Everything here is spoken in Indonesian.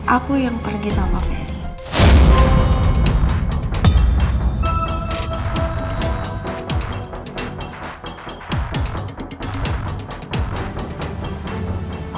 aku yang pergi sama kayak